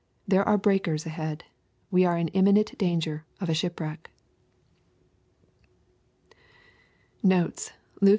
There are breakers ahead We are in iiU' minent danger of a shipwreck Notes Luke XI.